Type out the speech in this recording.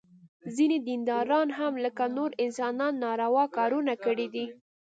ځینې دینداران هم لکه نور انسانان ناروا کارونه کړي دي.